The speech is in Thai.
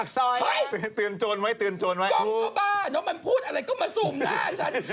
กล้องก็บ้าน้องมันพูดอะไรก็มาสูมหน้าฉัน